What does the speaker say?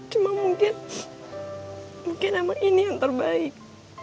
cuma mungkin mungkin emang ini yang terbaik